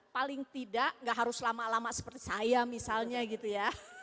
paling tidak gak harus lama lama seperti saya misalnya gitu ya